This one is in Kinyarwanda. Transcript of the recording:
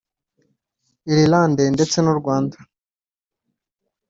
Ireland ndetse n’u Rwanda